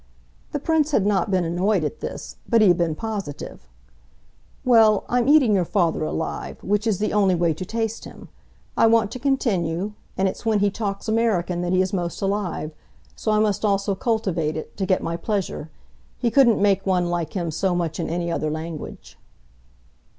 The Prince had not been annoyed at this, but he had been positive. "Well, I'm eating your father alive which is the only way to taste him. I want to continue, and as it's when he talks American that he is most alive, so I must also cultivate it, to get my pleasure. He couldn't make one like him so much in any other language."